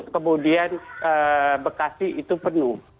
kemudian bekasi itu penuh